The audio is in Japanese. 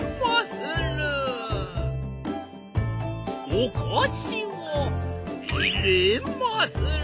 おかしをいれまする。